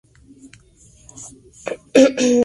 Ejercía la Gerencia de la filial uruguaya de la empresa.